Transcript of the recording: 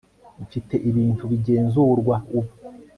mfite ibintu bigenzurwa ubu